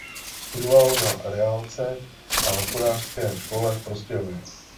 Studoval na reálce a hospodářské škole v Prostějově.